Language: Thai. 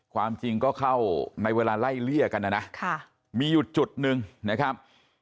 ความจริงก็เข้าในเวลาไล่เลี่ยกันนะนะมีอยู่จุดหนึ่งนะครับ